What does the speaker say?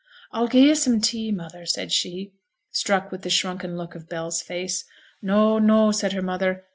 'I'll gi'e you some tea, mother,' said she, struck with the shrunken look of Bell's face. 'No, no' said her mother.